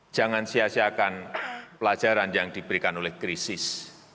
jangan sia siakan pelajaran yang diberikan oleh krisis